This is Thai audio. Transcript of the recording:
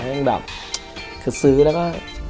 ยังแบบคือซื้อแล้วก็